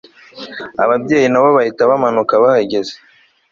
ababyeyi nabo bahita bamanuka bahageze